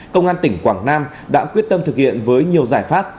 công an tỉnh quảng nam đã quyết tâm thực hiện với nhiều giải pháp